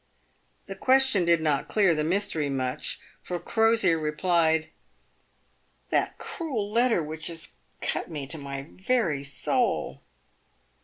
The question did not clear the mystery much, for Crosier replied, " That cruel letter which has cut me to the very soul!"